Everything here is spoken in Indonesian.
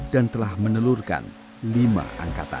dan telah menelurkan lima angkatan